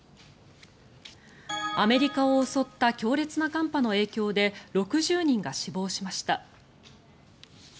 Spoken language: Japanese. アメリカを襲った強烈な寒波の影響で６０人が死亡しました。